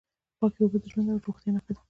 پاکې اوبه د ژوند او روغتیا نښه ده.